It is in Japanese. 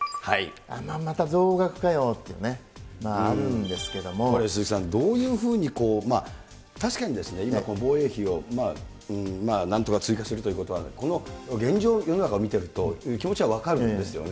また増額かよっていうね、あるん鈴木さん、どういうふうに、確かにですね、今、防衛費をなんとか追加するということは、この現状、世の中を見ていると、気持ちは分かるんですよね。